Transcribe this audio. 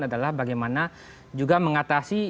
adalah bagaimana juga mengatasi